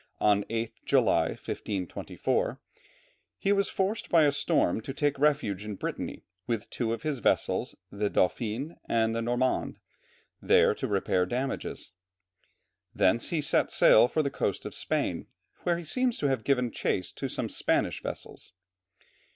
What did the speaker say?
on the 8th July, 1524, he was forced by a storm to take refuge in Brittany with two of his vessels, the Dauphine and the Normande, there to repair damages. Thence he set sail for the coast of Spain, where he seems to have given chase to some Spanish vessels.